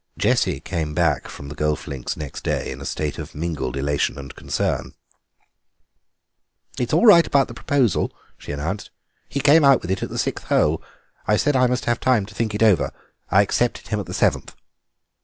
Jessie came back from the golf links next day in a state of mingled elation and concern. "It's all right about the proposal," she announced; "he came out with it at the sixth hole. I said I must have time to think it over. I accepted him at the seventh."